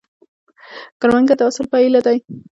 کروندګر د حاصل په هیله دی